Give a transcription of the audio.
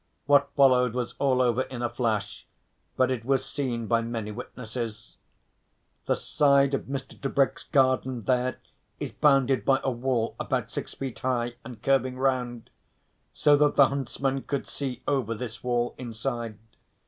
What followed was all over in a flash, but it was seen by many witnesses. The side of Mr. Tebrick's garden there is bounded by a wall, about six feet high and curving round, so that the huntsmen could see over this wall inside.